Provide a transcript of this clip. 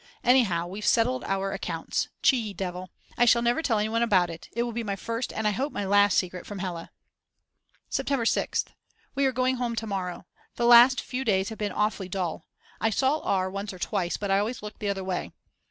Anyhow, we've settled our accounts. Cheeky devil. I shall never tell anyone about it, it will be my first and I hope my last secret from Hella. September 6th. We are going home to morrow. The last few days have been awfully dull. I saw R. once or twice but I always looked the other way.